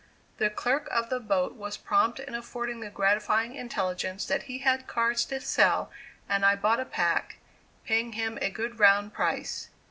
The clerk of the boat was prompt in affording the gratifying intelligence that he had cards to sell and I bought a pack, paying him a good round price.